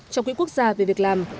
trong quỹ quốc gia về việc làm